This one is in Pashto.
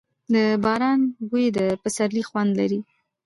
د باران بوی د پسرلي خوند لري.